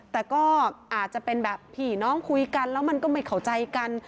แต่ก็อาจจะเป็นแบบพี่น้องคุยกันแล้วมันก็ไม่เข้าใจกัน